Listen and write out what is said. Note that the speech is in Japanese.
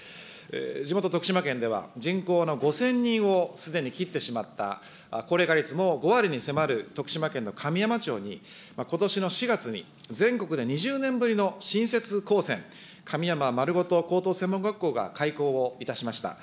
地元、徳島県では、人口の５０００人をすでに切ってしまった、高齢化率も５割に迫る徳島県の神山町に、ことしの４月に、全国で２０年ぶりの新設高専、神山まるごと高等専門学校が開校をいたしました。